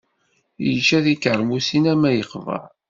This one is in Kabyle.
Yečča tikermusin armi yeqber.